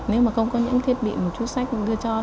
nếu mà không có những thiết bị mà trung sách đưa cho